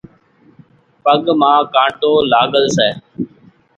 پڳ مان ڪانٽو لاڳل سي۔